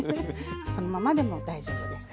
そのままでも大丈夫です。